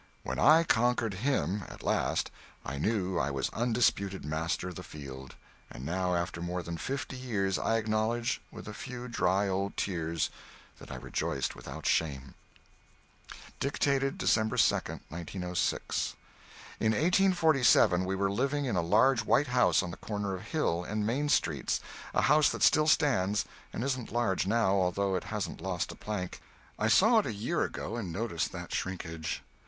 When I conquered him, at last, I knew I was undisputed master of the field; and now, after more than fifty years, I acknowledge, with a few dry old tears, that I rejoiced without shame. [Sidenote: (1847.)] [Dictated December 2, 1906.] In 1847 we were living in a large white house on the corner of Hill and Main Streets a house that still stands, but isn't large now, although it hasn't lost a plank; I saw it a year ago and noticed that shrinkage.